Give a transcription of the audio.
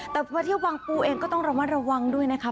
และมาเที่ยวบางปูก็ต้องรวังด้วยนะครับ